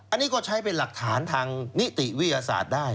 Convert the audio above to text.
อันนี้ก็ใช้เป็นหลักฐานทางนิติวิทยาศาสตร์ได้